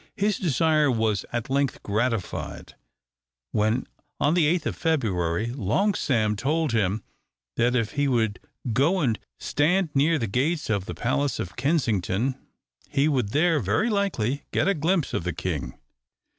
His desire was at length gratified, when, on the 8th of February, Long Sam told him, that if he would go and stand near the gates of the Palace of Kensington he would there very likely get a glimpse of the king.